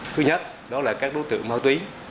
thứ nhất đó là các đối tượng mau túy